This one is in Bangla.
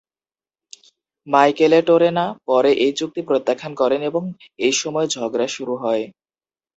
মাইকেলেটোরেনা পরে এই চুক্তি প্রত্যাখ্যান করেন এবং এই সময় ঝগড়া শুরু হয়।